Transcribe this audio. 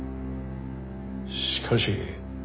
しかし。